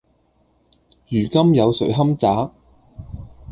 如今有誰堪摘﹖